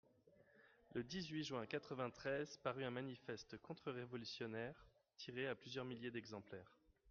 Le dix-huit juin quatre-vingt-treize, parut un manifeste contre-révolutionnaire tiré à plusieurs milliers d'exemplaires.